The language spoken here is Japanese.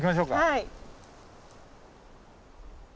はい。